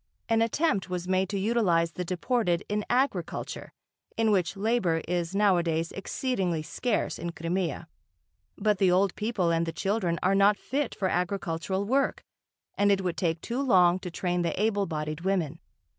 An attempt was made to utilise the deported in agriculture, in which labour is nowadays exceedingly scarce in Crimea. But the old people and the children are not fit for agricultural work and it would take too long to train the able bodied women.